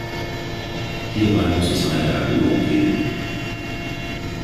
Hierbei muss es eine Erhöhung geben.